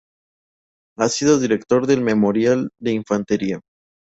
Ha sido director del "Memorial de Infantería'.